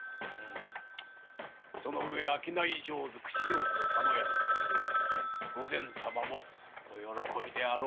その上商い上手口上手の佐野屋に代え御前様もお喜びであろう。